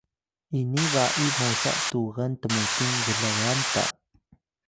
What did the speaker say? ini ba’i mosa tugan tmuting glgan ta